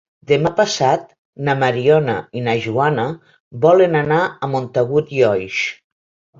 Demà passat na Mariona i na Joana volen anar a Montagut i Oix.